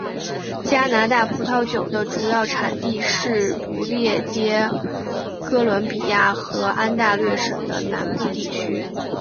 加拿大葡萄酒的主要产地是不列颠哥伦比亚和安大略省的南部地区。